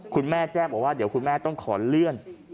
คุณแม่แจ้งบอกว่าเดี๋ยวคุณแม่ต้องขอเลื่อน